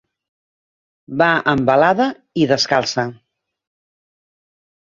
Va embalada i descalça.